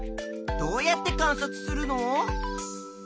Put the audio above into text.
どうやって観察するの？